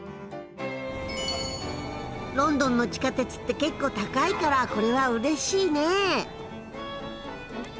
ロンドンの地下鉄って結構高いからこれはうれしいね。